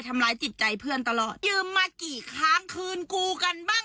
ในขณะที่กูน่ะมารักอะลูกกับผัว